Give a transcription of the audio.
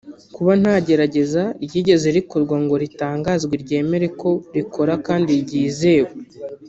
kuba nta gerageza ryigeze rikorwa ngo ritangazwe ryemeze ko rikora kandi ryizewe